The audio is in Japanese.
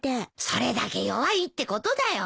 それだけ弱いってことだよ。